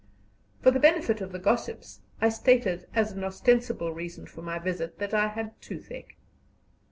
For the benefit of the gossips, I stated as an ostensible reason for my visit that I had toothache.